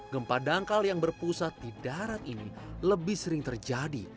gempa dangkal yang berpusat di darat ini lebih sering terjadi